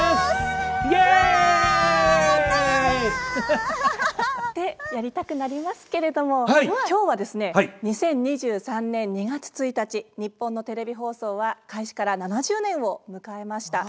ハハハ！ってやりたくなりますけれども今日はですね２０２３年２月１日日本のテレビ放送は開始から７０年を迎えました。